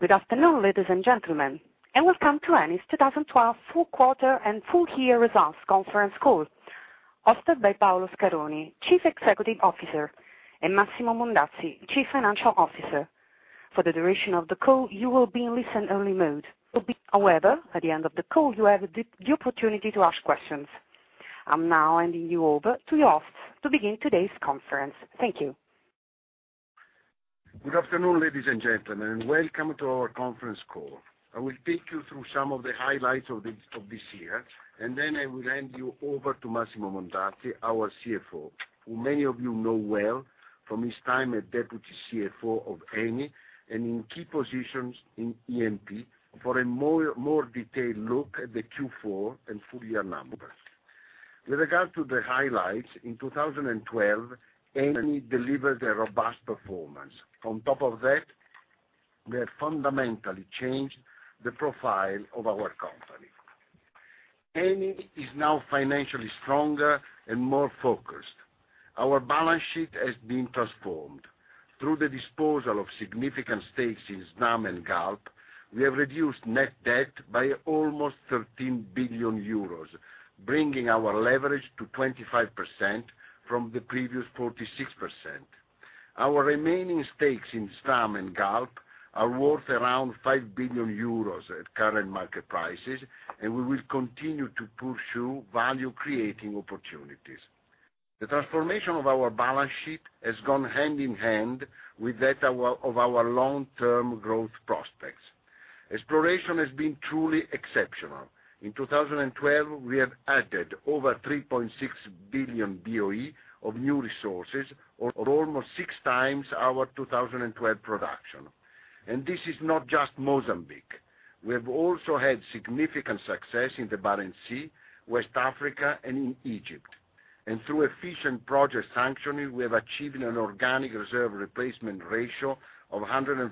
Good afternoon, ladies and gentlemen, welcome to Eni's 2012 fourth quarter and full year results conference call, hosted by Paolo Scaroni, Chief Executive Officer, and Massimo Mondazzi, Chief Financial Officer. For the duration of the call, you will be in listen only mode. However, at the end of the call, you will have the opportunity to ask questions. I am now handing you over to your hosts to begin today's conference. Thank you. Good afternoon, ladies and gentlemen, and welcome to our conference call. I will take you through some of the highlights of this year, and then I will hand you over to Massimo Mondazzi, our CFO, who many of you know well from his time as deputy CFO of Eni and in key positions in E&P for a more detailed look at the Q4 and full year numbers. With regard to the highlights, in 2012, Eni delivered a robust performance. On top of that, we have fundamentally changed the profile of our company. Eni is now financially stronger and more focused. Our balance sheet has been transformed. Through the disposal of significant stakes in Snam and Galp, we have reduced net debt by almost 13 billion euros, bringing our leverage to 25% from the previous 46%. Our remaining stakes in Snam and Galp are worth around 5 billion euros at current market prices, and we will continue to pursue value-creating opportunities. The transformation of our balance sheet has gone hand in hand with that of our long-term growth prospects. Exploration has been truly exceptional. In 2012, we have added over 3.6 billion BOE of new resources or almost six times our 2012 production. This is not just Mozambique. We have also had significant success in the Barents Sea, West Africa, and in Egypt. Through efficient project sanctioning, we have achieved an organic reserve replacement ratio of 147%.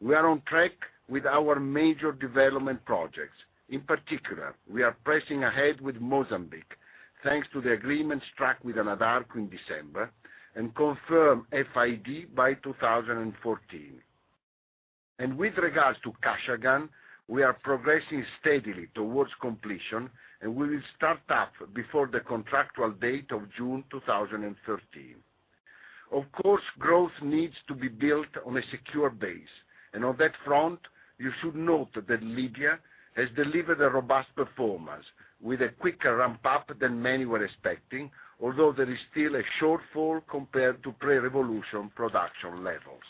We are on track with our major development projects. In particular, we are pressing ahead with Mozambique, thanks to the agreements struck with Anadarko in December, and confirm FID by 2014. With regards to Kashagan, we are progressing steadily towards completion, and we will start up before the contractual date of June 2013. Of course, growth needs to be built on a secure base, and on that front, you should note that Libya has delivered a robust performance with a quicker ramp-up than many were expecting, although there is still a shortfall compared to pre-revolution production levels.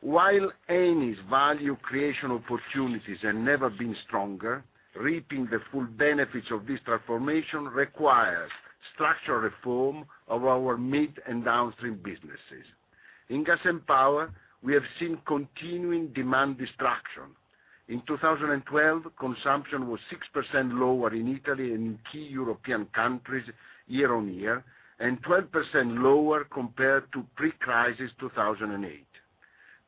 While Eni's value creation opportunities have never been stronger, reaping the full benefits of this transformation requires structural reform of our mid and downstream businesses. In gas and power, we have seen continuing demand destruction. In 2012, consumption was 6% lower in Italy and in key European countries year-on-year, and 12% lower compared to pre-crisis 2008.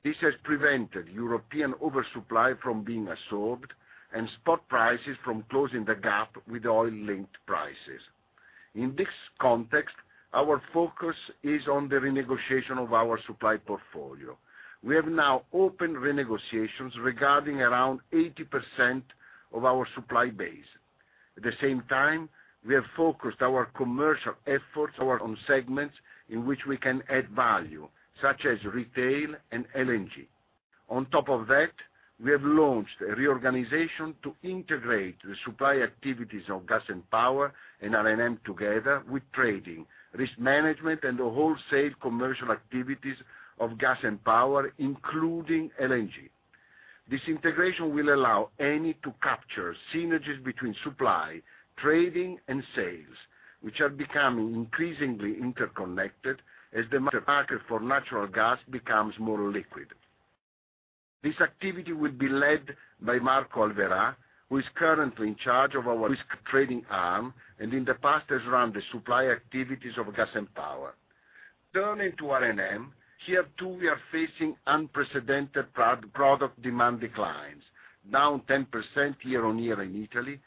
This has prevented European oversupply from being absorbed and spot prices from closing the gap with oil-linked prices. In this context, our focus is on the renegotiation of our supply portfolio. We have now opened renegotiations regarding around 80% of our supply base. At the same time, we have focused our commercial efforts on segments in which we can add value, such as retail and LNG. On top of that, we have launched a reorganization to integrate the supply activities of gas and power and R&M together with trading, risk management, and the wholesale commercial activities of gas and power, including LNG. This integration will allow Eni to capture synergies between supply, trading, and sales, which are becoming increasingly interconnected as the market for natural gas becomes more liquid. This activity will be led by Marco Alverà, who is currently in charge of our risk trading arm and in the past has run the supply activities of gas and power. Turning to R&M, here too we are facing unprecedented product demand declines, down 10% year-over-year in Italy,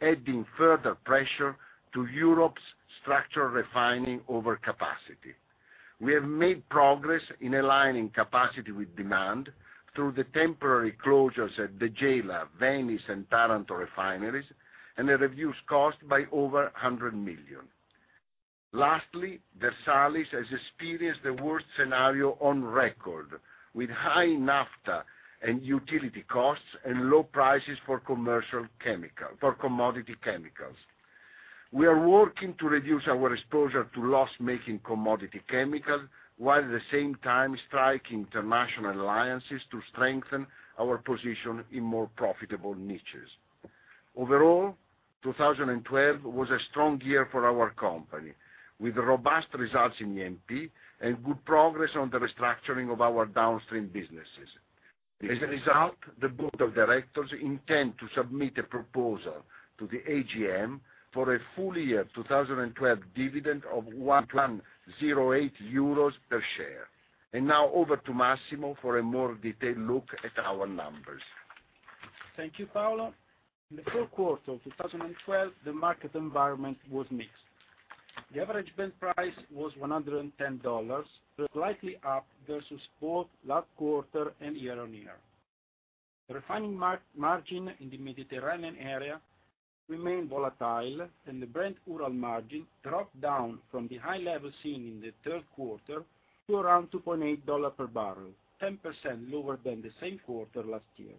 adding further pressure to Europe's structural refining overcapacity. We have made progress in aligning capacity with demand through the temporary closures at the Gela, Venice, and Taranto refineries, and a reduced cost by over 100 million. Lastly, Versalis has experienced the worst scenario on record, with high naphtha and utility costs and low prices for commodity chemicals. We are working to reduce our exposure to loss-making commodity chemicals, while at the same time striking international alliances to strengthen our position in more profitable niches. Overall, 2012 was a strong year for our company, with robust results in E&P and good progress on the restructuring of our downstream businesses. The board of directors intend to submit a proposal to the AGM for a full year 2012 dividend of €1.08 per share. Now over to Massimo for a more detailed look at our numbers. Thank you, Paolo. In the fourth quarter of 2012, the market environment was mixed. The average Brent price was $110, slightly up versus both last quarter and year-over-year. Refining margin in the Mediterranean area remained volatile, and the Brent-Ural margin dropped down from the high level seen in the third quarter to around $2.8 per barrel, 10% lower than the same quarter last year.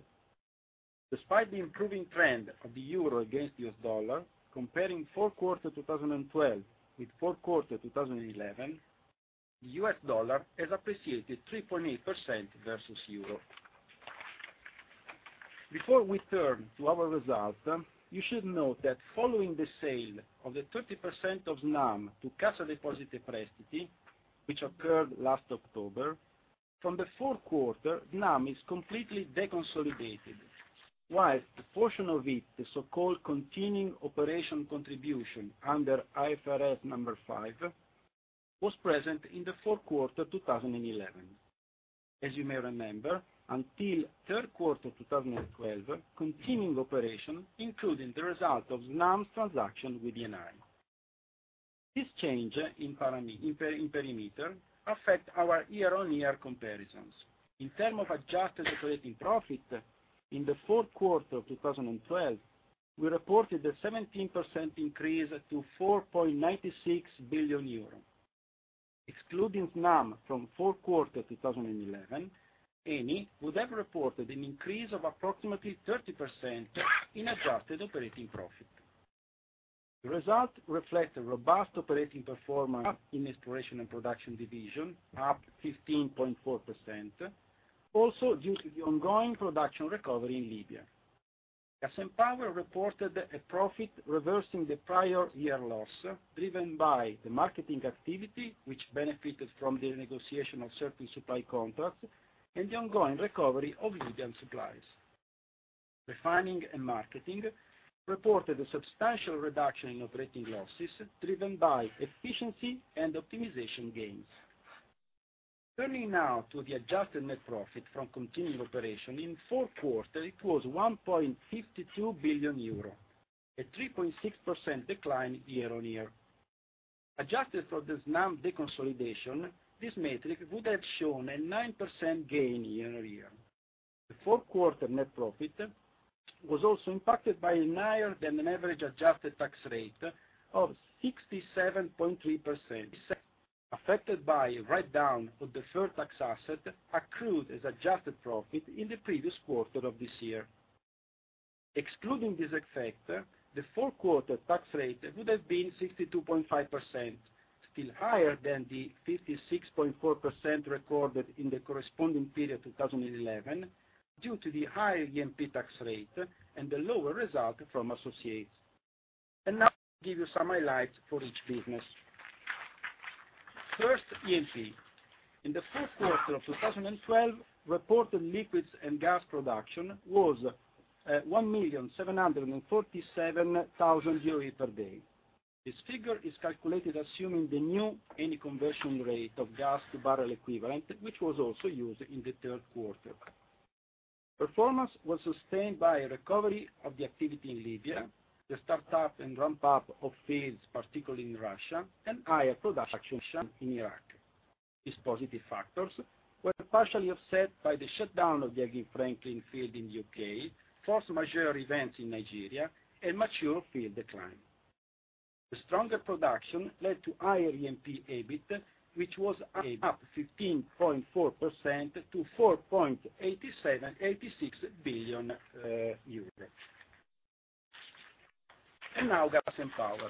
Despite the improving trend of the euro against the US dollar, comparing Q4 2012 with Q4 2011, the US dollar has appreciated 3.8% versus euro. Before we turn to our results, you should note that following the sale of the 30% of Snam to Cassa Depositi e Prestiti, which occurred last October, from the fourth quarter, Snam is completely deconsolidated, while the portion of it, the so-called continuing operation contribution under IFRS 5, was present in the Q4 2011. As you may remember, until Q3 2012, continuing operations including the result of Snam's transaction with Eni. This change in perimeter affected our year-on-year comparisons. In terms of adjusted operating profit, in the fourth quarter of 2012, we reported a 17% increase to 4.96 billion euros. Excluding Snam from Q4 2011, Eni would have reported an increase of approximately 30% in adjusted operating profit. The result reflects a robust operating performance in Exploration and Production division, up 15.4%, also due to the ongoing production recovery in Libya. Gas and Power reported a profit reversing the prior year loss, driven by the marketing activity, which benefited from the renegotiation of certain supply contracts and the ongoing recovery of Libyan supplies. Refining and Marketing reported a substantial reduction in operating losses, driven by efficiency and optimization gains. Turning now to the adjusted net profit from continuing operations. In Q4, it was 1.52 billion euro, a 3.6% decline year-on-year. Adjusted for this Snam deconsolidation, this metric would have shown a 9% gain year-on-year. The fourth quarter net profit was also impacted by a higher than average adjusted tax rate of 67.3%, affected by a write-down of deferred tax asset accrued as adjusted profit in the previous quarter of this year. Excluding this effect, the fourth quarter tax rate would have been 62.5%, still higher than the 56.4% recorded in the corresponding period of 2011, due to the higher E&P tax rate and the lower result from associates. Now, I give you some highlights for each business. First, E&P. In the fourth quarter of 2012, reported liquids and gas production was 1,747,000 BOE per day. This figure is calculated assuming the new Eni conversion rate of gas to barrel equivalent, which was also used in the third quarter. Performance was sustained by a recovery of the activity in Libya, the start-up and ramp-up of fields, particularly in Russia, and higher production in Iraq. These positive factors were partially offset by the shutdown of the Elgin-Franklin field in the U.K., force majeure events in Nigeria, and mature field decline. The stronger production led to higher E&P EBIT, which was up 15.4% to EUR 4.86 billion. Now Gas and Power.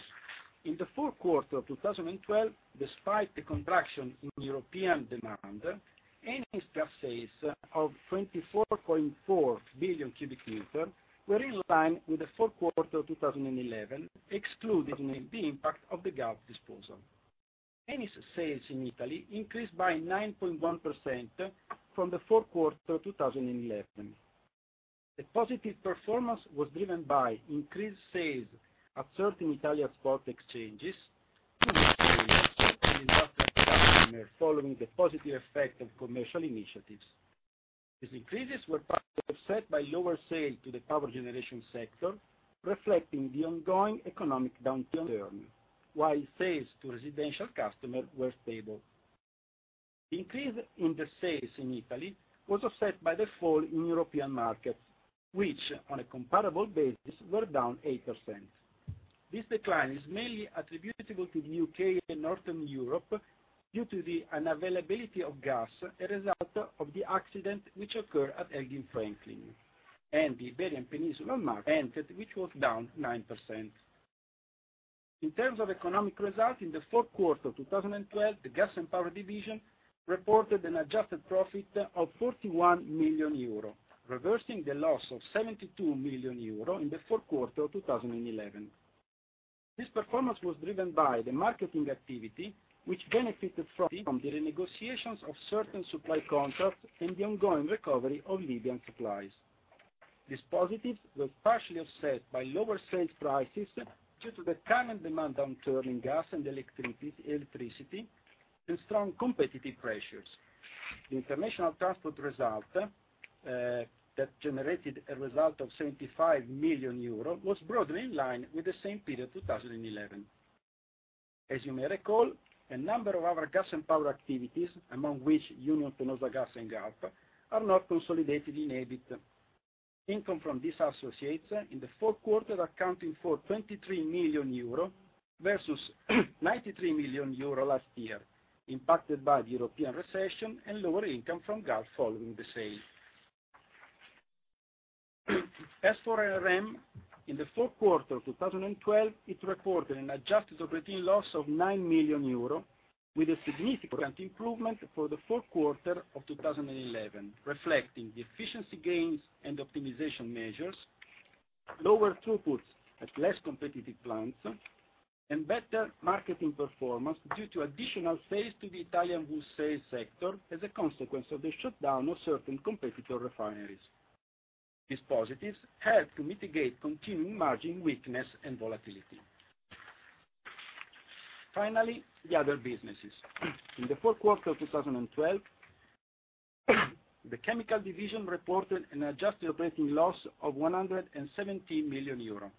In the fourth quarter of 2012, despite the contraction in European demand, Eni's gas sales of 24.4 billion cubic meters were in line with the fourth quarter of 2011, excluding the impact of the gas disposal. Eni's sales in Italy increased by 9.1% from the fourth quarter of 2011. The positive performance was driven by increased sales at certain Italian spot exchanges, following the positive effect of commercial initiatives. These increases were partially offset by lower sales to the power generation sector, reflecting the ongoing economic downturn, while sales to residential customers were stable. The increase in the sales in Italy was offset by the fall in European markets, which, on a comparable basis, were down 8%. This decline is mainly attributable to the U.K. and Northern Europe due to the unavailability of gas, a result of the accident which occurred at Elgin-Franklin, and the Iberian Peninsula market, which was down 9%. In terms of economic result, in the fourth quarter of 2012, the Gas and Power division reported an adjusted profit of 41 million euro, reversing the loss of 72 million euro in the fourth quarter of 2011. This performance was driven by the marketing activity, which benefited from the renegotiations of certain supply contracts and the ongoing recovery of Libyan supplies. This positive was partially offset by lower sales prices due to the current demand downturn in gas and electricity. Strong competitive pressures. The international transport result that generated a result of 75 million euros was broadly in line with the same period 2011. As you may recall, a number of our gas and power activities, among which Unión Fenosa Gas and Galp, are not consolidated in EBIT. Income from these associates in the fourth quarter accounted for 23 million euro versus 93 million euro last year, impacted by the European recession and lower income from Galp following the sale. As for R&M, in the fourth quarter of 2012, it reported an adjusted operating loss of 9 million euro, with a significant improvement for the fourth quarter of 2011, reflecting the efficiency gains and optimization measures, lower throughputs at less competitive plants, and better marketing performance due to additional sales to the Italian wholesale sector as a consequence of the shutdown of certain competitor refineries. These positives helped to mitigate continuing margin weakness and volatility. Finally, the other businesses. In the fourth quarter of 2012, the chemical division reported an adjusted operating loss of 117 million euro.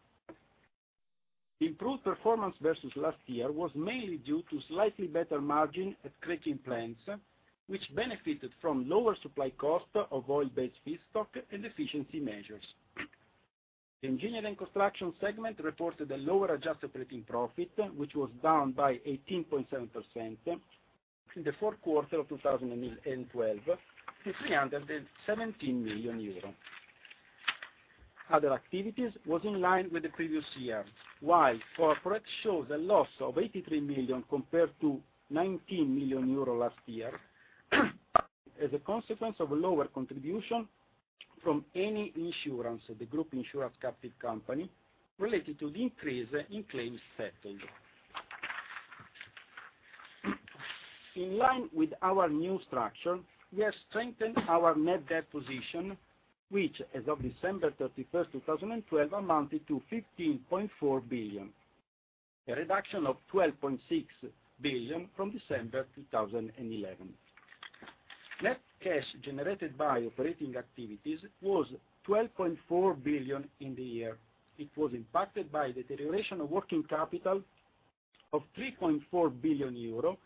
The improved performance versus last year was mainly due to slightly better margin at cracking plants, which benefited from lower supply cost of oil-based feedstock and efficiency measures. The engineering construction segment reported a lower adjusted operating profit, which was down by 18.7% in the fourth quarter of 2012 to 317 million euros. Other activities was in line with the previous year, while corporate shows a loss of 83 million compared to 90 million euro last year as a consequence of a lower contribution from Eni Insurance, the group insurance captive company, related to the increase in claims settled. In line with our new structure, we have strengthened our net debt position, which, as of December 31st, 2012, amounted to 15.4 billion, a reduction of 12.6 billion from December 2011. Net cash generated by operating activities was 12.4 billion in the year. It was impacted by deterioration of working capital of 3.4 billion euro,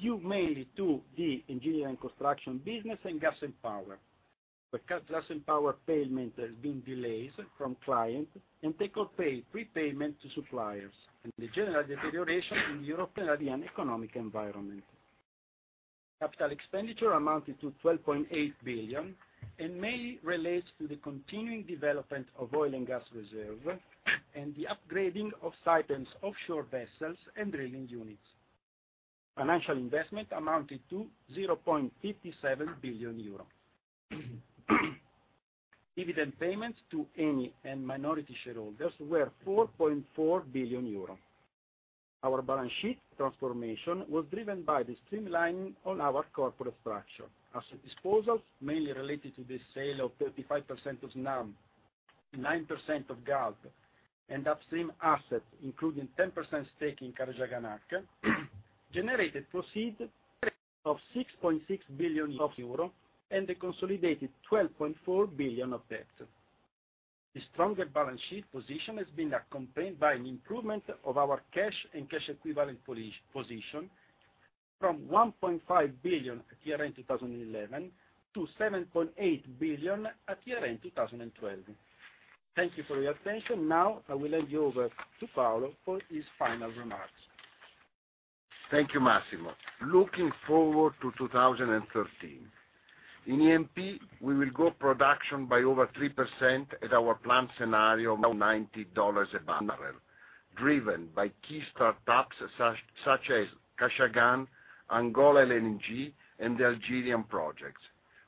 due mainly to the engineering construction business and gas and power, because gas and power payment has been delays from client, and take-or-pay prepayment to suppliers, and the general deterioration in European economic environment. Capital expenditure amounted to 12.8 billion and mainly relates to the continuing development of oil and gas reserve and the upgrading of Saipem's offshore vessels and drilling units. Financial investment amounted to 0.57 billion euro. Dividend payments to Eni and minority shareholders were 4.4 billion euro. Our balance sheet transformation was driven by the streamlining on our corporate structure. Asset disposals, mainly related to the sale of 35% of Snam, 9% of GALP and upstream assets, including 10% stake in Karachaganak, generated proceed of 6.6 billion euro and a consolidated 12.4 billion of debt. The stronger balance sheet position has been accompanied by an improvement of our cash and cash equivalent position from 1.5 billion at year-end 2011 to 7.8 billion at year-end 2012. Thank you for your attention. Now, I will hand you over to Paolo for his final remarks. Thank you, Massimo. Looking forward to 2013. In E&P, we will grow production by over 3% at our planned scenario, now $90 a barrel, driven by key startups such as Kashagan, Angola LNG, and the Algerian projects.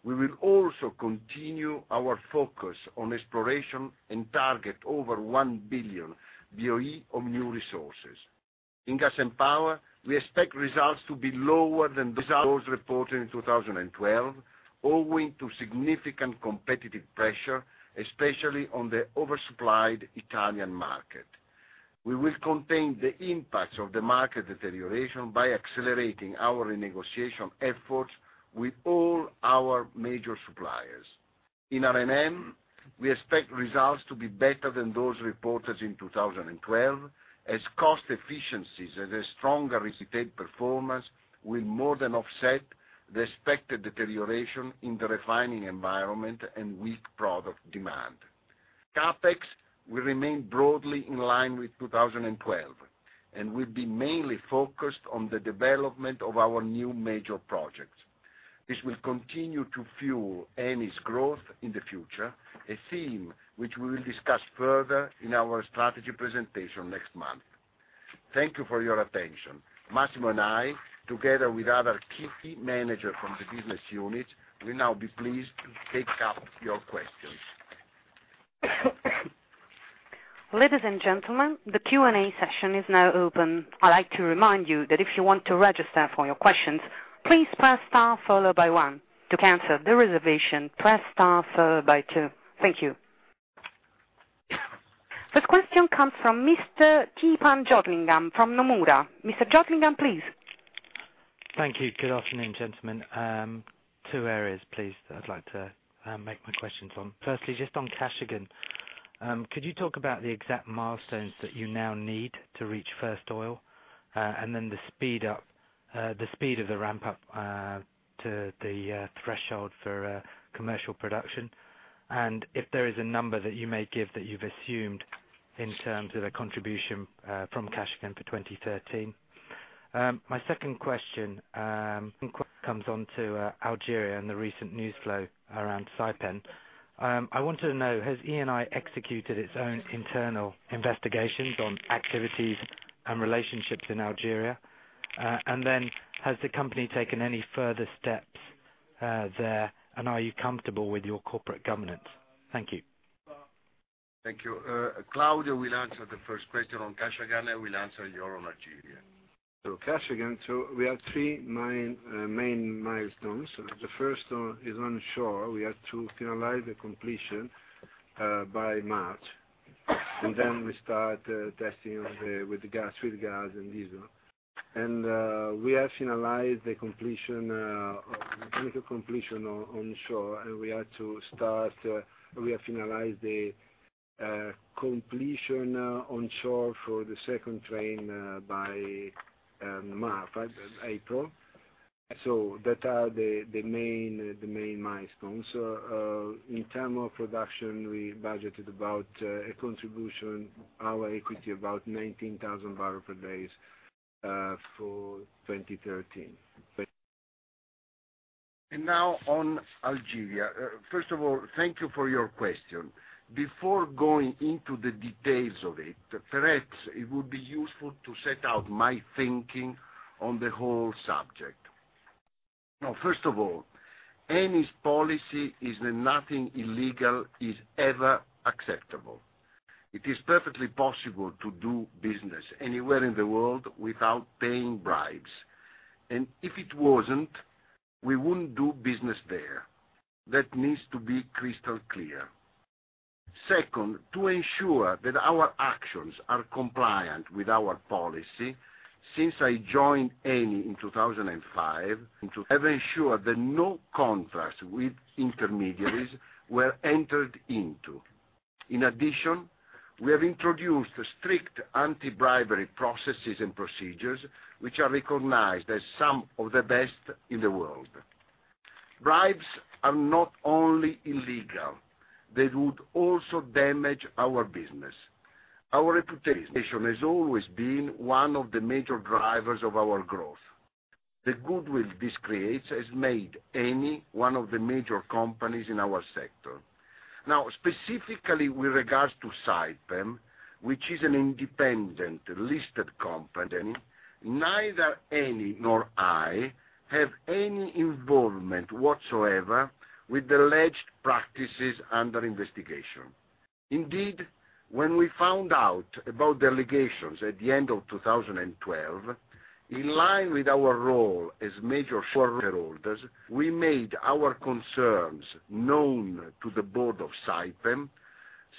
We will also continue our focus on exploration and target over 1 billion BOE of new resources. In gas and power, we expect results to be lower than those reported in 2012, owing to significant competitive pressure, especially on the oversupplied Italian market. We will contain the impacts of the market deterioration by accelerating our renegotiation efforts with all our major suppliers. In R&M, we expect results to be better than those reported in 2012, as cost efficiencies and a stronger retail performance will more than offset the expected deterioration in the refining environment and weak product demand. CapEx will remain broadly in line with 2012, and will be mainly focused on the development of our new major projects. This will continue to fuel Eni's growth in the future, a theme which we will discuss further in our strategy presentation next month. Thank you for your attention. Massimo and I, together with other key managers from the business unit, will now be pleased to take up your questions. Ladies and gentlemen, the Q&A session is now open. I'd like to remind you that if you want to register for your questions, please press star followed by one. To cancel the reservation, press star followed by two. Thank you. The question comes from Mr. Theepan Jothilingam from Nomura. Mr. Jothilingam, please. Thank you. Good afternoon, gentlemen. Two areas, please, that I'd like to make my questions on. Firstly, just on Kashagan, could you talk about the exact milestones that you now need to reach first oil? The speed of the ramp-up to the threshold for commercial production, and if there is a number that you may give that you've assumed in terms of the contribution from Kashagan for 2013. My second question comes onto Algeria and the recent news flow around Saipem. I wanted to know, has Eni executed its own internal investigations on activities and relationships in Algeria? Has the company taken any further steps there, and are you comfortable with your corporate governance? Thank you. Thank you. Claudio will answer the first question on Kashagan, I will answer your on Algeria. Kashagan, we have three main milestones. The first is onshore. We have to finalize the completion by March, then we start testing with the sweet gas and diesel. We have finalized the completion onshore for the second train by April. That are the main milestones. In term of production, we budgeted about a contribution, our equity, about 19,000 barrel per days for 2013. Now on Algeria. First of all, thank you for your question. Before going into the details of it, perhaps it would be useful to set out my thinking on the whole subject. First of all, Eni's policy is that nothing illegal is ever acceptable. It is perfectly possible to do business anywhere in the world without paying bribes. If it wasn't, we wouldn't do business there. That needs to be crystal clear. Second, to ensure that our actions are compliant with our policy, since I joined Eni in 2005, I have ensured that no contracts with intermediaries were entered into. In addition, we have introduced strict anti-bribery processes and procedures, which are recognized as some of the best in the world. Bribes are not only illegal, they would also damage our business. Our reputation has always been one of the major drivers of our growth. The goodwill this creates has made Eni one of the major companies in our sector. Specifically with regards to Saipem, which is an independent listed company, neither Eni nor I have any involvement whatsoever with the alleged practices under investigation. When we found out about the allegations at the end of 2012, in line with our role as major shareholders, we made our concerns known to the board of Saipem,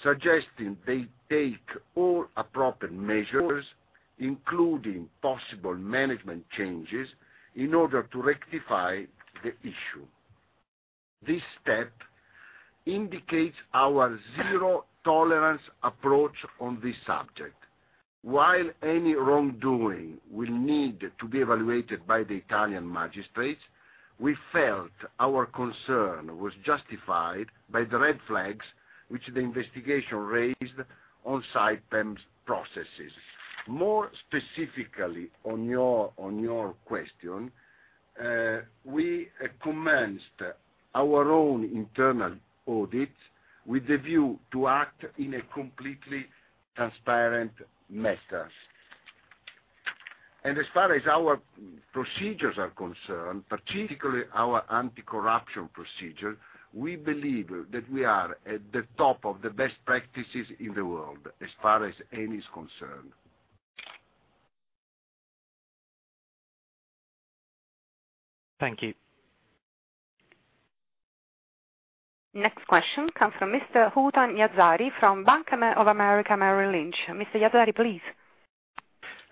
suggesting they take all appropriate measures, including possible management changes, in order to rectify the issue. This step indicates our zero-tolerance approach on this subject. While any wrongdoing will need to be evaluated by the Italian magistrates, we felt our concern was justified by the red flags which the investigation raised on Saipem's processes. More specifically on your question, we commenced our own internal audit with a view to act in a completely transparent manner. As far as our procedures are concerned, particularly our anti-corruption procedure, we believe that we are at the top of the best practices in the world as far as Eni's concerned. Thank you. Next question comes from Mr. Hootan Yazhari from Bank of America Merrill Lynch. Mr. Yazhari, please.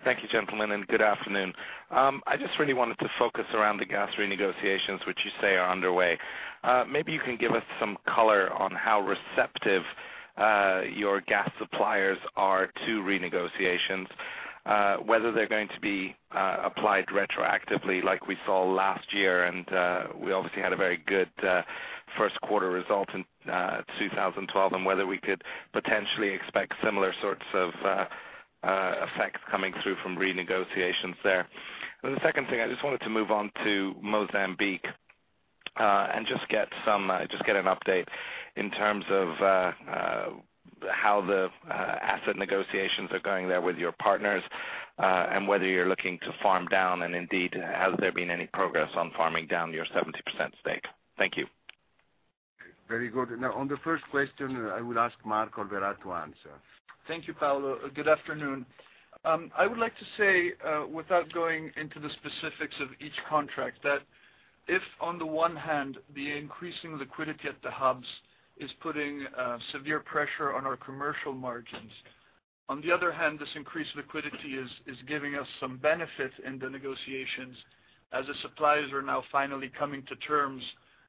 Thank you, gentlemen, and good afternoon. I just really wanted to focus around the gas renegotiations, which you say are underway. Maybe you can give us some color on how receptive your gas suppliers are to renegotiations whether they're going to be applied retroactively like we saw last year, we obviously had a very good first quarter result in 2012, and whether we could potentially expect similar sorts of effects coming through from renegotiations there. The second thing, I just wanted to move on to Mozambique, and just get an update in terms of how the asset negotiations are going there with your partners. Whether you're looking to farm down, and indeed, has there been any progress on farming down your 70% stake? Thank you. Very good. On the first question, I will ask Marco Alverà to answer. Thank you, Paolo. Good afternoon. I would like to say, without going into the specifics of each contract, that if on the one hand, the increasing liquidity at the hubs is putting severe pressure on our commercial margins, on the other hand, this increased liquidity is giving us some benefit in the negotiations as the suppliers are now finally coming to terms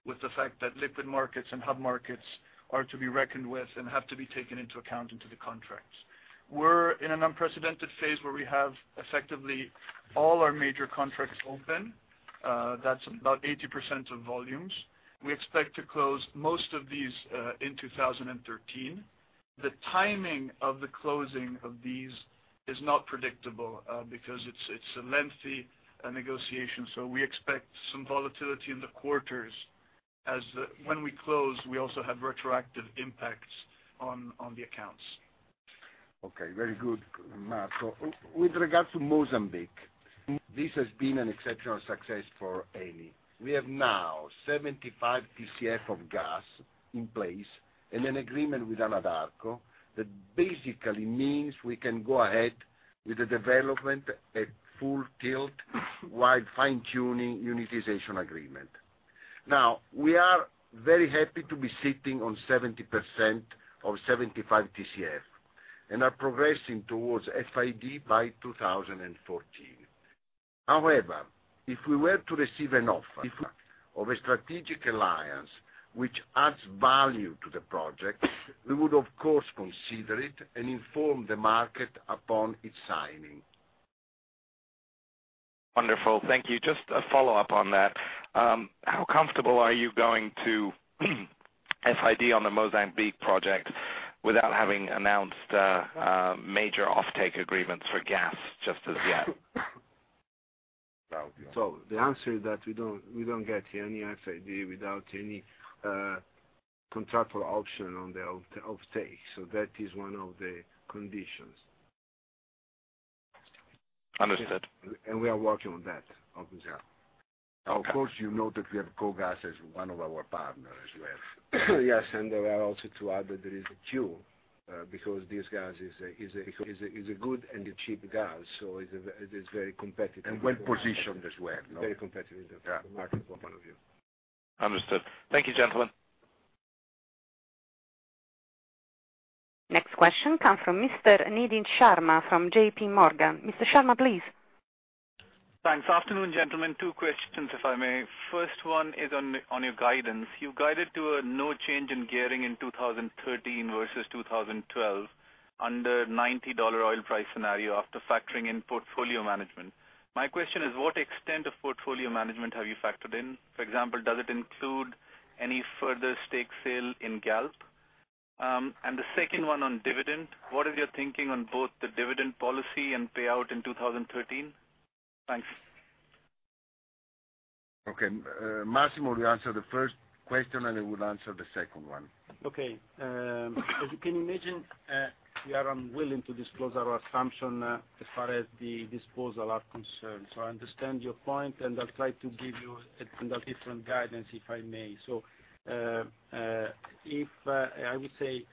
with the fact that liquid markets and hub markets are to be reckoned with and have to be taken into account into the contracts. We're in an unprecedented phase where we have effectively all our major contracts open. That's about 80% of volumes. We expect to close most of these in 2013. The timing of the closing of these is not predictable, because it's a lengthy negotiation. We expect some volatility in the quarters. When we close, we also have retroactive impacts on the accounts. Okay, very good, Marco. With regard to Mozambique, this has been an exceptional success for Eni. We have now 75 Tcf of gas in place and an agreement with Anadarko that basically means we can go ahead with the development at full tilt while fine-tuning unitization agreement. We are very happy to be sitting on 70% of 75 Tcf and are progressing towards FID by 2014. If we were to receive an offer of a strategic alliance which adds value to the project, we would, of course, consider it and inform the market upon its signing. Wonderful. Thank you. Just a follow-up on that. How comfortable are you going to FID on the Mozambique project without having announced major offtake agreements for gas just as yet? The answer is that we don't get any FID without any contractual option on the offtake. That is one of the conditions. Understood. We are working on that, obviously. Of course, you know that we have KOGAS as one of our partners as well. Yes, there are also to add that there is a queue, because this gas is a good and a cheap gas, so it is very competitive. Well-positioned as well. Very competitive from a market point of view. Understood. Thank you, gentlemen. Next question comes from Mr. Nitin Sharma from JP Morgan. Mr. Sharma, please. Thanks. Afternoon, gentlemen. Two questions, if I may. First one is on your guidance. You guided to a no change in gearing in 2013 versus 2012 under $90 oil price scenario after factoring in portfolio management. My question is, what extent of portfolio management have you factored in? For example, does it include any further stake sale in Galp? The second one on dividend, what is your thinking on both the dividend policy and payout in 2013? Thanks. Okay. Massimo will answer the first question, and I will answer the second one. Okay. As you can imagine, we are unwilling to disclose our assumption as far as the disposal are concerned. I understand your point, and I'll try to give you a different guidance, if I may. I would say,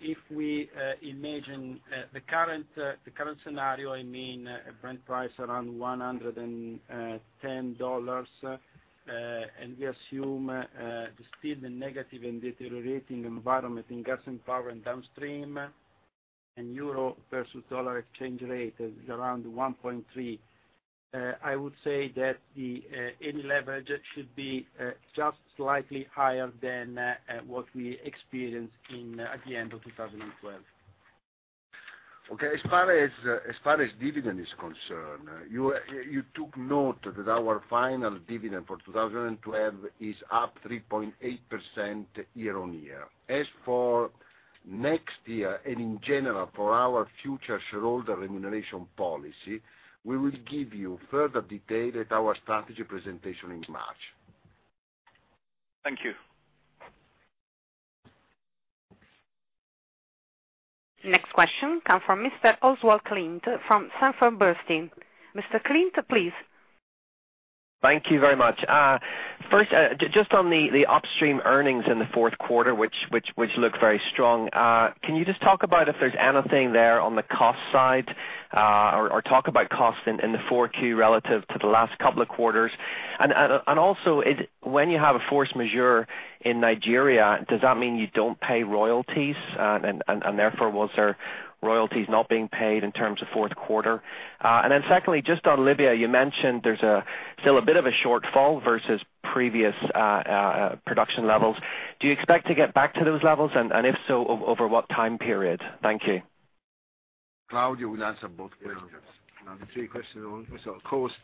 if we imagine the current scenario, a Brent price around $110, and we assume still the negative and deteriorating environment in gas and power and downstream, and Euro versus Dollar exchange rate is around 1.3, I would say that the Eni leverage should be just slightly higher than what we experienced at the end of 2012. Okay, as far as dividend is concerned, you took note that our final dividend for 2012 is up 3.8% year-over-year. As for next year, and in general, for our future shareholder remuneration policy, we will give you further detail at our strategy presentation in March. Thank you. Next question comes from Mr. Oswald Clint from Sanford Bernstein. Mr. Clint, please. Thank you very much. First, just on the upstream earnings in the fourth quarter, which looked very strong, can you just talk about if there's anything there on the cost side? Talk about costs in the 4Q relative to the last couple of quarters. When you have a force majeure in Nigeria, does that mean you don't pay royalties? Was there royalties not being paid in terms of fourth quarter? Secondly, just on Libya, you mentioned there's still a bit of a shortfall versus previous production levels. Do you expect to get back to those levels? If so, over what time period? Thank you. Claudio will answer both questions. Yes. Three questions. Cost,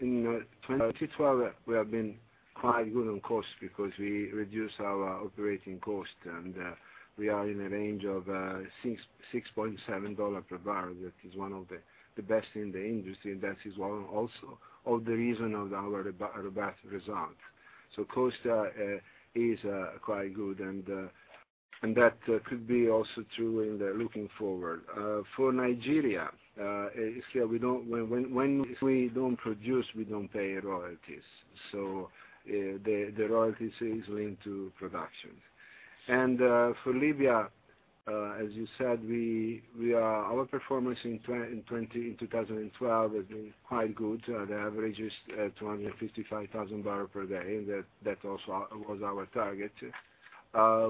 in 2012, we have been quite good on cost because we reduced our operating cost, and we are in a range of $6.70 per barrel. That is one of the best in the industry, and that is also the reason of our robust result. Cost is quite good, and that could be also true looking forward. For Nigeria, when we don't produce, we don't pay royalties. The royalties is linked to production. For Libya As you said, our performance in 2012 has been quite good. The average is 255,000 barrel per day, and that also was our target.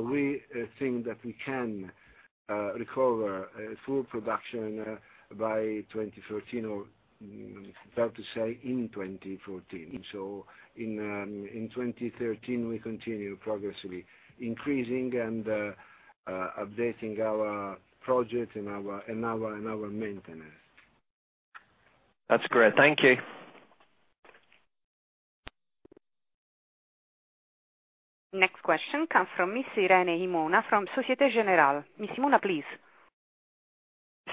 We think that we can recover full production by 2013, or fair to say, in 2014. In 2013, we continue progressively increasing and updating our projects and our maintenance. That's great. Thank you. Next question comes from Miss Irene Himona from Societe Generale. Miss Himona, please.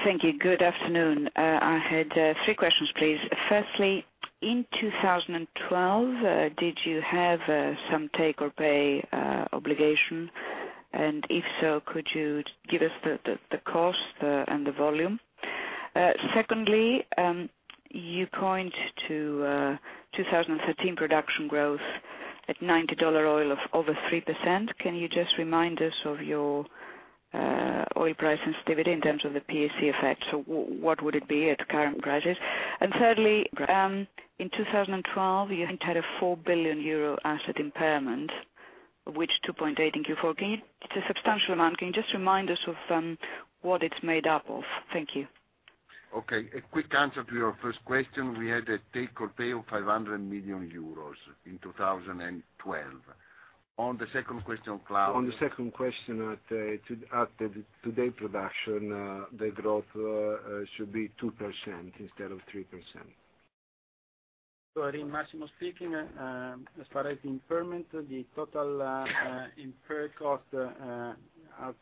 Thank you. Good afternoon. I had three questions, please. Firstly, in 2012, did you have some take-or-pay obligation? If so, could you give us the cost and the volume? Secondly, you point to 2013 production growth at USD 90 oil of over 3%. Can you just remind us of your oil price sensitivity in terms of the PSC effect? What would it be at current prices? Thirdly, in 2012, you had a 4 billion euro asset impairment, which 2.8 in Q4. It's a substantial amount. Can you just remind us of what it's made up of? Thank you. Okay. A quick answer to your first question. We had a take-or-pay of 500 million euros in 2012. On the second question, Claudio? On the second question, at today production, the growth should be 2% instead of 3%. Irene, Massimo speaking. As far as the impairment, the total impaired cost are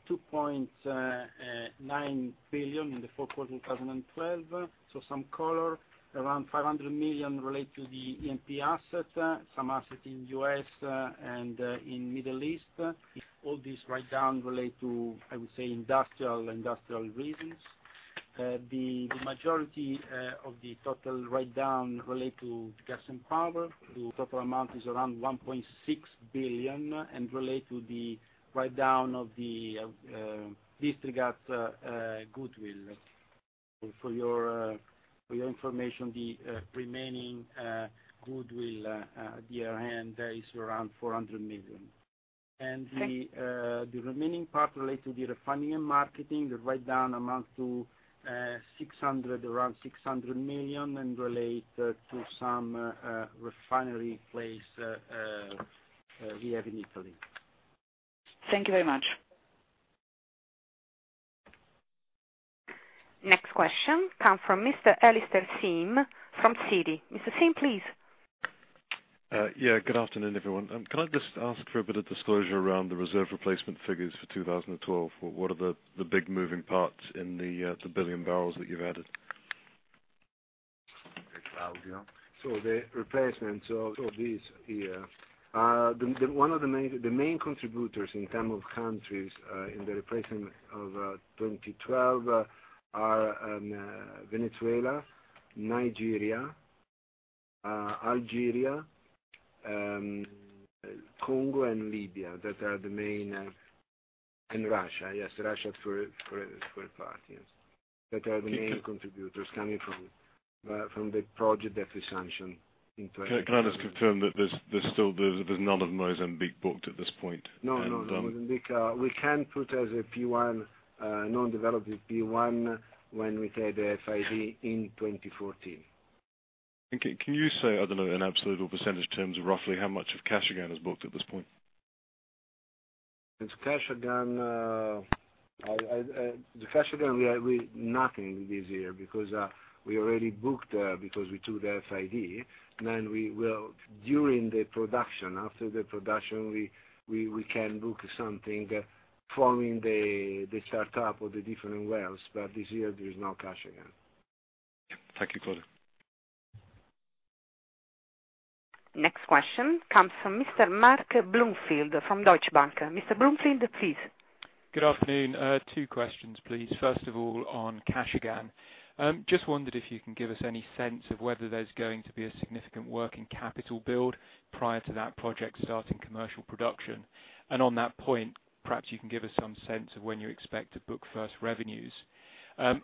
2.9 billion in the fourth quarter 2012. Some color, around 500 million relate to the E&P asset, some asset in U.S. and in Middle East. All these write-down relate to, I would say, industrial reasons. The majority of the total write-down relate to gas and power. The total amount is around 1.6 billion and relate to the write-down of the divisional goodwill. For your information, the remaining goodwill at year-end is around 400 million. Okay. The remaining part relate to the refining and marketing, the write-down amount to around 600 million, and relate to some refinery place we have in Italy. Thank you very much. Next question come from Mr. Alastair Syme from Citi. Mr. Syme, please. Yeah, good afternoon, everyone. Can I just ask for a bit of disclosure around the reserve replacement figures for 2012? What are the big moving parts in the billion barrels that you've added? Okay, Claudio. The replacements of these here. The main contributors in term of countries in the replacement of 2012 are Venezuela, Nigeria, Algeria, Congo and Libya. Russia, yes, Russia is fourth party. Yes. That are the main contributors coming from the project that we sanctioned in 2012. Can I just confirm that there's none of Mozambique booked at this point? No, Mozambique, we can put as a P1, non-development P1 when we take the FID in 2014. Can you say, I don't know, in absolute or percentage terms, roughly how much of Kashagan is booked at this point? The Kashagan, nothing this year because we already booked, because we took the FID. During the production, after the production, we can book something following the startup of the different wells. This year, there is no Kashagan. Thank you, Claudio. Next question comes from Mr. Mark Bloomfield from Deutsche Bank. Mr. Bloomfield, please. Good afternoon. Two questions, please. First of all, on Kashagan. Just wondered if you can give us any sense of whether there's going to be a significant working capital build prior to that project starting commercial production. On that point, perhaps you can give us some sense of when you expect to book first revenues.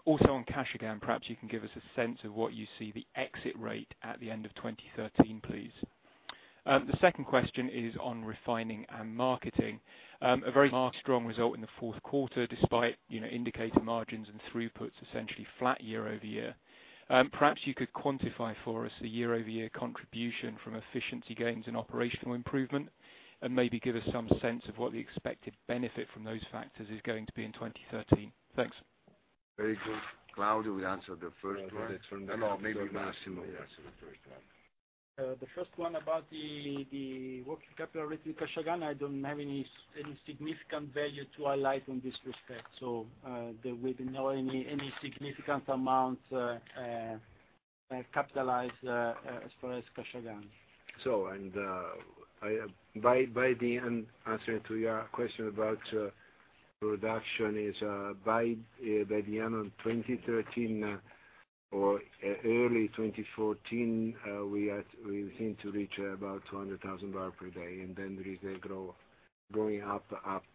Also on Kashagan, perhaps you can give us a sense of what you see the exit rate at the end of 2013, please. The second question is on refining and marketing. A very strong result in the fourth quarter despite indicating margins and throughputs essentially flat year-over-year. Perhaps you could quantify for us the year-over-year contribution from efficiency gains and operational improvement, and maybe give us some sense of what the expected benefit from those factors is going to be in 2013. Thanks. Very good. Claudio will answer the first one. No, maybe Massimo will answer the first one. The first one about the working capital related to Kashagan, I don't have any significant value to highlight in this respect. There will be not any significant amount capitalized as far as Kashagan. Answering to your question about production is by the end of 2013 or early 2014, we seem to reach about 200,000 barrels per day, then there is a growth going up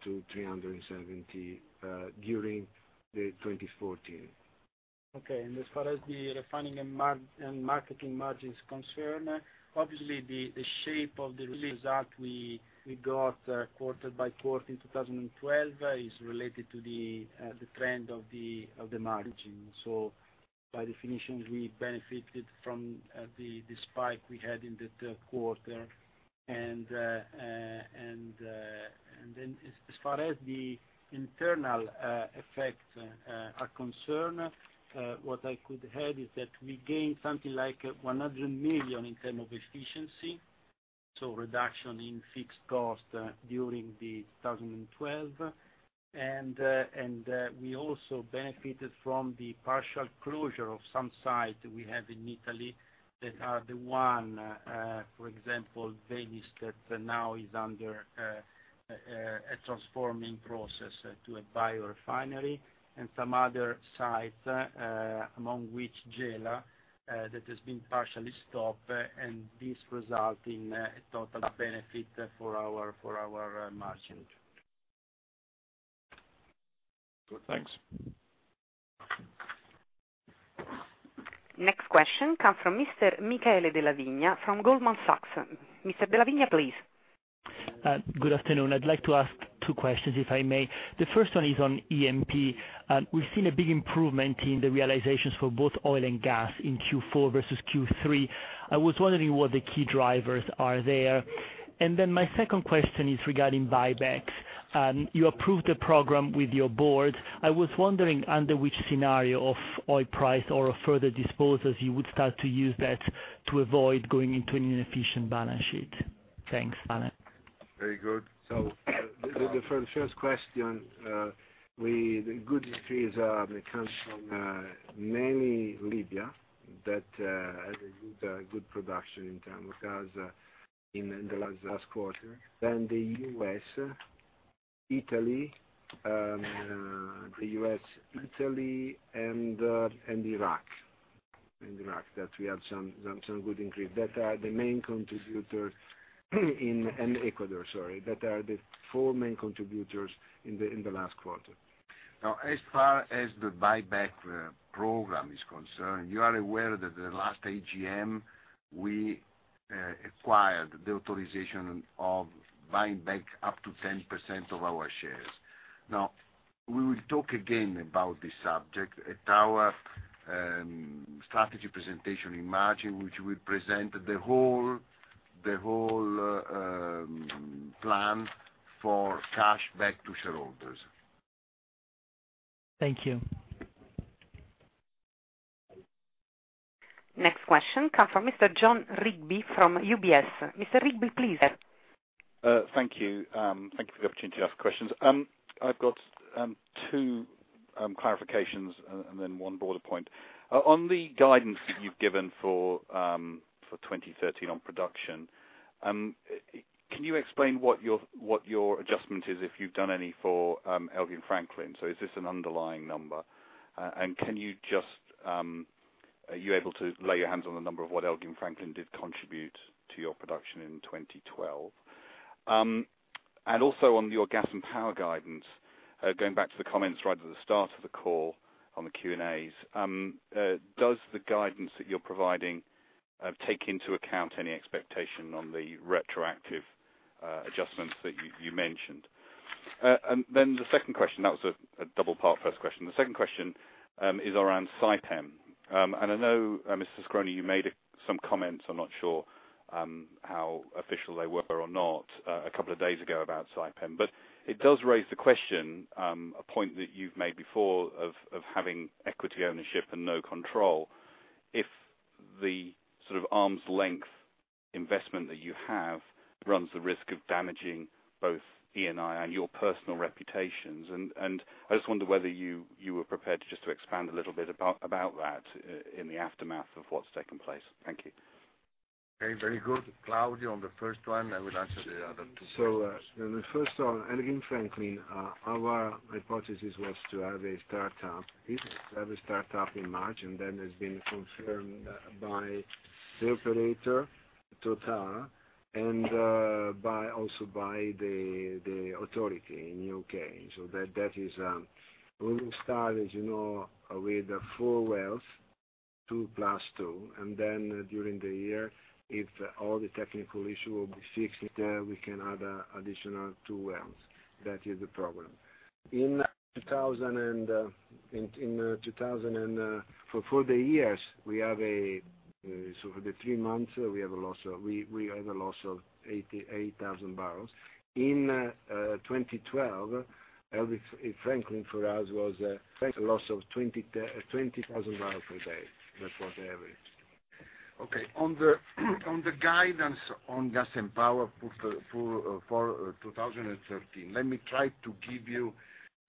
to 370 during the 2014. As far as the refining and marketing margins are concerned, obviously the shape of the result we got quarter by quarter in 2012 is related to the trend of the margin. By definition, we benefited from the spike we had in the third quarter. As far as the internal effects are concerned, what I could add is that we gained something like 100 million in terms of efficiency, so reduction in fixed costs during 2012. We also benefited from the partial closure of some sites we have in Italy that are the ones, for example, Venice, that now is under a transforming process to a biorefinery and some other sites, among which Gela, that has been partially stopped, this results in a total benefit for our margin. Good, thanks. Next question comes from Mr. Michele Della Vigna from Goldman Sachs. Mr. Della Vigna, please. Good afternoon. I'd like to ask two questions, if I may. The first one is on E&P. We've seen a big improvement in the realizations for both oil and gas in Q4 versus Q3. I was wondering what the key drivers are there. My second question is regarding buybacks. You approved the program with your board. I was wondering under which scenario of oil price or of further disposals you would start to use that to avoid going into an inefficient balance sheet. Thanks, Paolo. Very good. For the first question, the good increase comes from mainly Libya. That had a good production in terms of gas in the last quarter. The U.S., Italy, and Iraq, that we have some good increase. That are the main contributors in Ecuador, sorry. That are the four main contributors in the last quarter. As far as the buyback program is concerned, you are aware that the last AGM, we acquired the authorization of buying back up to 10% of our shares. We will talk again about this subject at our strategy presentation in March, in which we present the whole plan for cash back to shareholders. Thank you. Next question comes from Mr. Jon Rigby from UBS. Mr. Rigby, please. Thank you. Thank you for the opportunity to ask questions. I've got two clarifications and then one broader point. On the guidance that you've given for 2013 on production, can you explain what your adjustment is, if you've done any for Elgin Franklin? So is this an underlying number? Are you able to lay your hands on the number of what Elgin Franklin did contribute to your production in 2012? Also on your gas and power guidance, going back to the comments right at the start of the call on the Q&As, does the guidance that you're providing take into account any expectation on the retroactive adjustments that you mentioned? The second question, that was a double part first question. The second question is around Saipem. I know, Mr. Scaroni, you made some comments, I'm not sure how official they were or not, a couple of days ago about Saipem. It does raise the question, a point that you've made before of having equity ownership and no control, if the sort of arm's length investment that you have runs the risk of damaging both Eni and your personal reputations. I just wonder whether you were prepared just to expand a little bit about that in the aftermath of what's taken place. Thank you. Very good. Claudio, on the first one, I will answer the other two questions. On the first one, Elgin Franklin, our hypothesis was to have a startup. We have a startup in March. It's been confirmed by the operator, Total, and also by the authority in U.K. That is, we will start, as you know, with the four wells, two plus two. During the year, if all the technical issue will be fixed there, we can add additional two wells. That is the program. For the years, for the three months, we have a loss of 88,000 barrels. In 2012, Elgin Franklin for us was a loss of 20,000 barrels per day. That was the average. Okay. On the guidance on gas and power for 2013, let me try to give you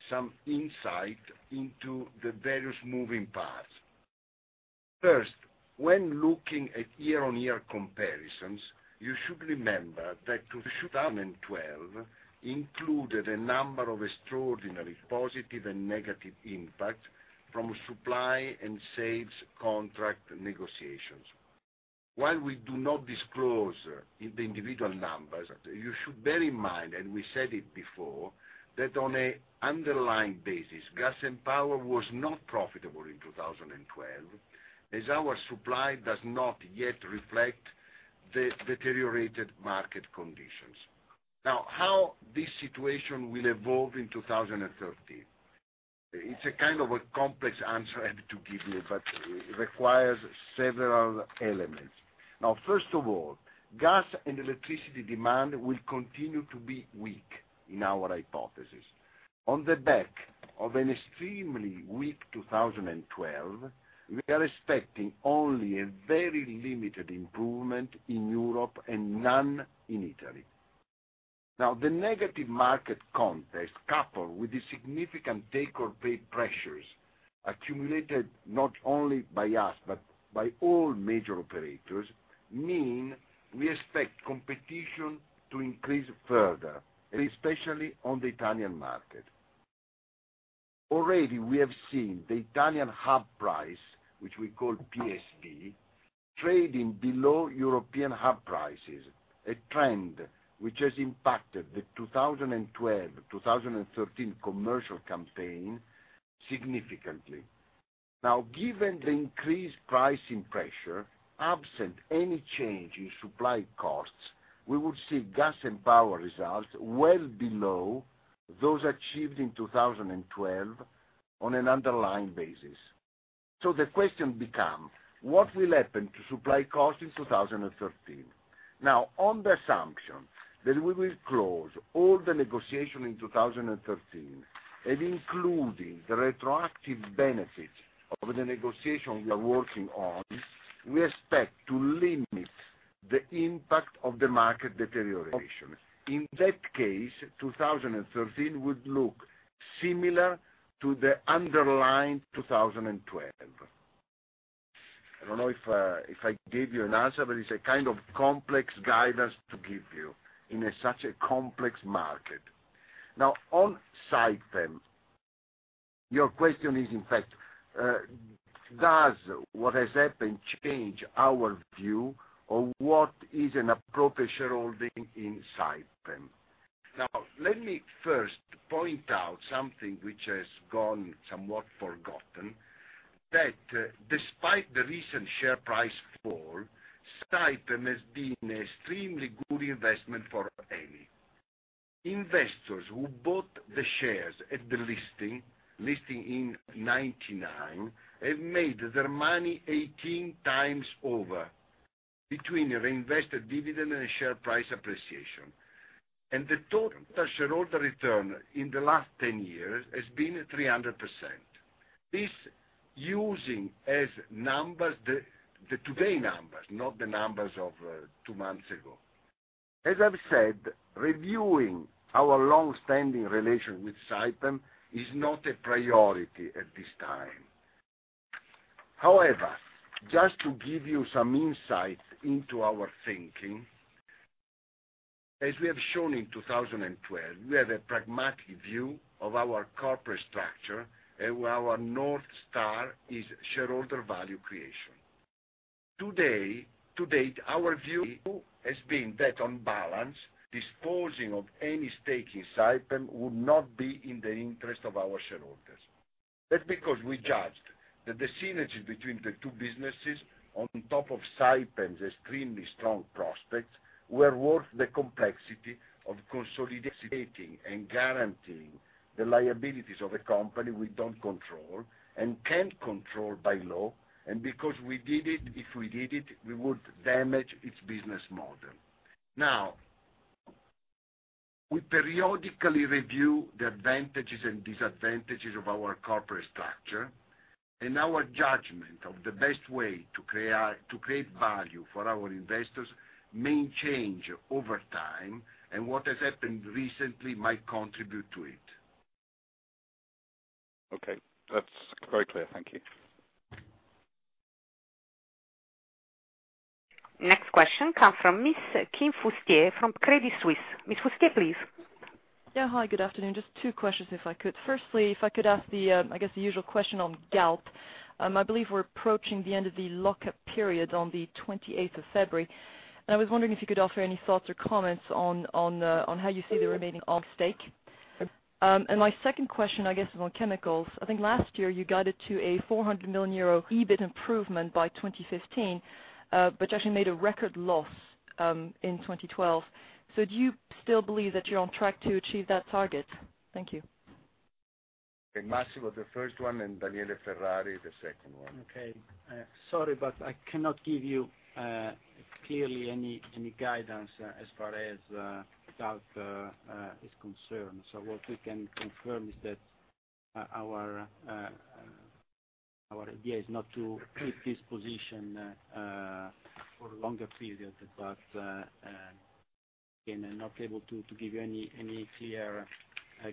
some insight into the various moving parts. When looking at year-on-year comparisons, you should remember that 2012 included a number of extraordinary positive and negative impacts from supply and sales contract negotiations. While we do not disclose the individual numbers, you should bear in mind, and we said it before, that on an underlying basis, gas and power was not profitable in 2012, as our supply does not yet reflect the deteriorated market conditions. How this situation will evolve in 2013? It's a kind of a complex answer I have to give you, but it requires several elements. First of all, gas and electricity demand will continue to be weak in our hypothesis. On the back of an extremely weak 2012, we are expecting only a very limited improvement in Europe and none in Italy. The negative market context, coupled with the significant take-or-pay pressures accumulated not only by us but by all major operators, mean we expect competition to increase further, and especially on the Italian market. We have seen the Italian hub price, which we call PSV, trading below European hub prices, a trend which has impacted the 2012/2013 commercial campaign significantly. Given the increased pricing pressure, absent any change in supply costs, we would see gas and power results well below those achieved in 2012 on an underlying basis. The question becomes: what will happen to supply costs in 2013? On the assumption that we will close all the negotiations in 2013, and including the retroactive benefit of the negotiations we are working on, we expect to limit the impact of the market deterioration. In that case, 2013 would look similar to the underlying 2012. I don't know if I gave you an answer, it's a kind of complex guidance to give you in such a complex market. On Saipem, your question is, in fact, does what has happened change our view on what is an appropriate shareholding in Saipem? Let me first point out something which has gone somewhat forgotten, that despite the recent share price fall, Saipem has been an extremely good investment for Eni. Investors who bought the shares at the listing in 1999 have made their money 18 times over, between a reinvested dividend and a share price appreciation. The total shareholder return in the last 10 years has been 300%. This using as numbers, the today numbers, not the numbers of two months ago. As I've said, reviewing our longstanding relation with Saipem is not a priority at this time. Just to give you some insight into our thinking, as we have shown in 2012, we have a pragmatic view of our corporate structure, and our North Star is shareholder value creation. To date, our view has been that, on balance, disposing of any stake in Saipem would not be in the interest of our shareholders. That's because we judged that the synergy between the two businesses, on top of Saipem's extremely strong prospects, were worth the complexity of consolidating and guaranteeing the liabilities of a company we don't control and can't control by law, and because if we did it, we would damage its business model. We periodically review the advantages and disadvantages of our corporate structure, and our judgment of the best way to create value for our investors may change over time, and what has happened recently might contribute to it. That's very clear. Thank you. Next question comes from Ms. Kim Fustier from Credit Suisse. Ms. Fustier, please. Yeah. Hi, good afternoon. Just two questions, if I could. Firstly, if I could ask the usual question on Galp. I believe we're approaching the end of the lock-up period on the 28th of February, and I was wondering if you could offer any thoughts or comments on how you see the remaining stake. My second question, I guess, is on chemicals. I think last year you guided to a 400 million euro EBIT improvement by 2015, but you actually made a record loss in 2012. Do you still believe that you're on track to achieve that target? Thank you. Massimo, the first one, and Daniele Ferrari, the second one. Okay. Sorry, I cannot give you clearly any guidance as far as Galp is concerned. What we can confirm is that our idea is not to keep this position for a longer period, but I'm not able to give you any clear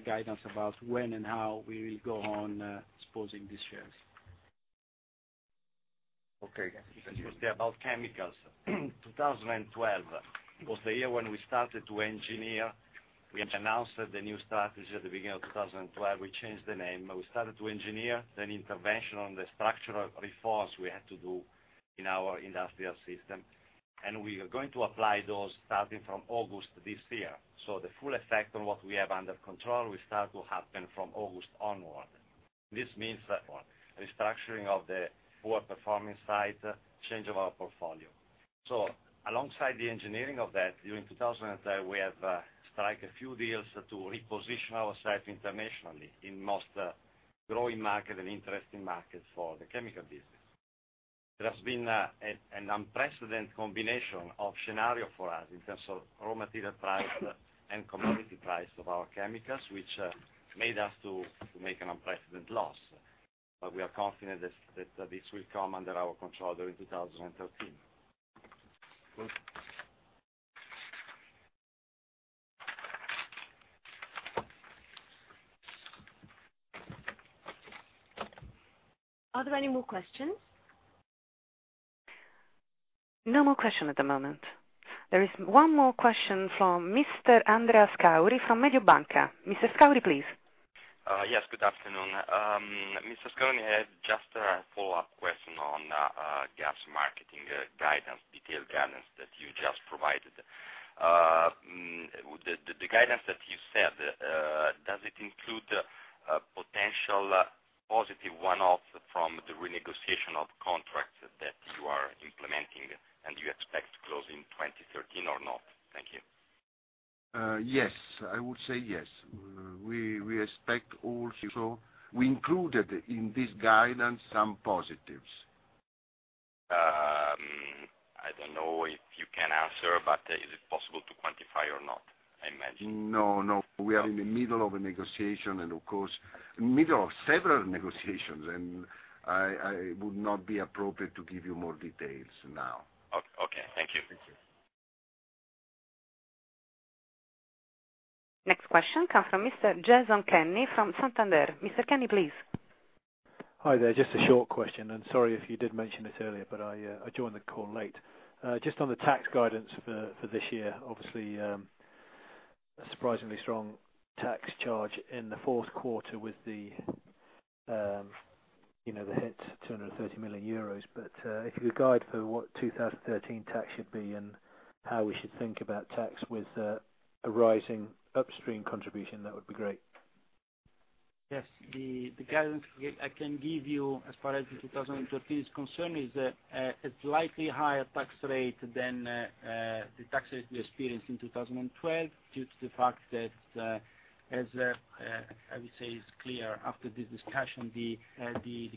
guidance about when and how we will go on exposing these shares. Okay. About chemicals. 2012 was the year when we started to engineer. We announced the new strategy at the beginning of 2012. We changed the name. We started to engineer an intervention on the structural reforms we had to do in our industrial system, and we are going to apply those starting from August this year. The full effect on what we have under control will start to happen from August onward. This means that the restructuring of the poor performing side, change of our portfolio. Alongside the engineering of that, during 2013, we have strike a few deals to reposition ourselves internationally in most growing market and interesting markets for the chemical business. There has been an unprecedented combination of scenario for us in terms of raw material price and commodity price of our chemicals, which made us to make an unprecedented loss. We are confident that this will come under our control during 2013. Good. Are there any more questions? No more question at the moment. There is one more question from Mr. Andrea Scauri from Mediobanca. Mr. Scauri, please. Yes, good afternoon. Mr. Scaroni, I had just a follow-up question on gas marketing guidance, detailed guidance that you just provided. The guidance that you said, does it include a potential positive one-off from the renegotiation of contracts that you are implementing and you expect to close in 2013 or not? Thank you. Yes. I would say yes. We expect also, we included in this guidance some positives. I don't know if you can answer, but is it possible to quantify or not? No, we are in the middle of a negotiation and of course, middle of several negotiations, and it would not be appropriate to give you more details now. Okay. Thank you. Thank you. Next question comes from Mr. Jason Kenny from Santander. Mr. Kenny, please. Hi there. Just a short question, sorry if you did mention this earlier, I joined the call late. Just on the tax guidance for this year, obviously, surprisingly strong tax charge in the fourth quarter with the hit 230 million euros. If you could guide for what 2013 tax should be and how we should think about tax with a rising upstream contribution, that would be great. Yes. The guidance I can give you as far as the 2013 is concerned is a slightly higher tax rate than the tax rate we experienced in 2012 due to the fact that, as I would say, it's clear after this discussion, the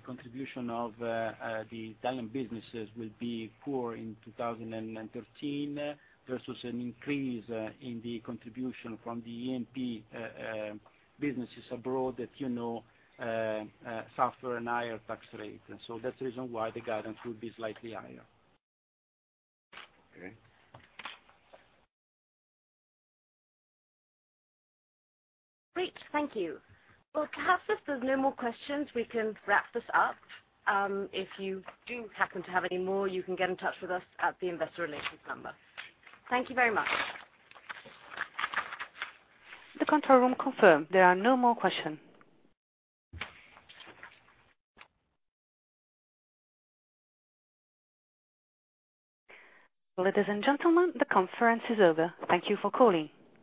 contribution of the Italian businesses will be poor in 2013 versus an increase in the contribution from the E&P businesses abroad that suffer a higher tax rate. That's the reason why the guidance will be slightly higher. Okay. Great. Thank you. Well, perhaps if there's no more questions, we can wrap this up. If you do happen to have any more, you can get in touch with us at the investor relations number. Thank you very much. The control room confirm there are no more question. Ladies and gentlemen, the conference is over. Thank you for calling.